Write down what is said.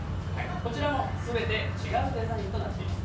こちらも全て違うデザインとなっています。